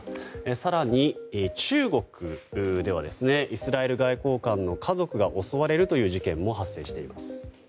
更に、中国ではイスラエル外交官の家族が襲われるという事件も発生しています。